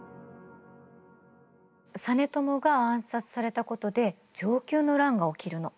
実朝が暗殺されたことで承久の乱が起きるの。